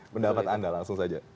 pendapat anda langsung saja